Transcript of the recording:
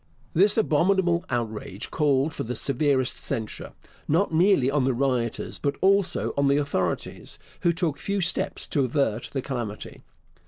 This abominable outrage called for the severest censure, not merely on the rioters, but also on the authorities, who took few steps to avert the calamity.